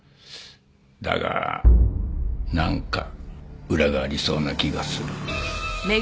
だがなんか裏がありそうな気がする。